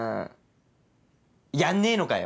やんねえのかよ！